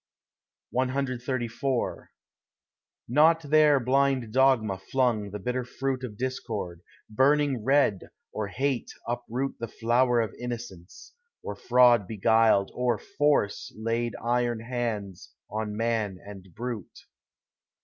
CXXXIV Not there blind dogma flung the bitter fruit Of discord, burning red, or hate uproot The flower of innocence, or fraud beguiled, Or force laid iron hands on man and brute.